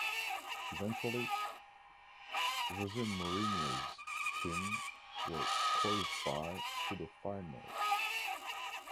Eventually Jose Mourinho's team will qualify to the final.